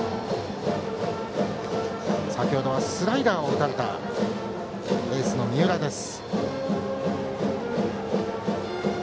先程はスライダーを打たれたエースの三浦です。